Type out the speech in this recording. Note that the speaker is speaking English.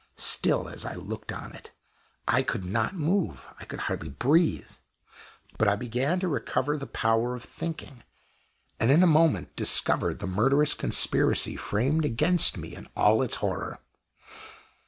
Still, as I looked on it, I could not move, I could hardly breathe, but I began to recover the power of thinking, and in a moment I discovered the murderous conspiracy framed against me in all its horror.